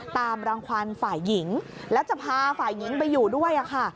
ตามรังความฝ่ายหญิงแล้วจะพาฝ่ายหญิงไปอยู่ด้วยค่ะ